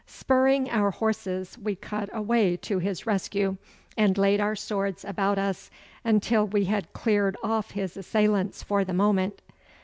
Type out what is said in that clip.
Spurring our horses we cut a way to his rescue, and laid our swords about us until we had cleared off his assailants for the moment.